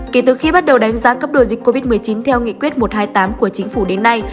kể từ khi bắt đầu đánh giá cấp đổi dịch covid một mươi chín theo nghị quyết một trăm hai mươi tám của chính phủ đến nay